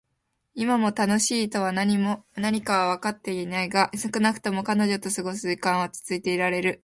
今も「楽しい」とは何かはわかってはいないが、少なくとも彼女と過ごす時間は落ち着いていられる。